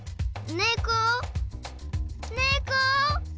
ねこ？